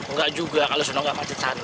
enggak juga kalau enggak macet sana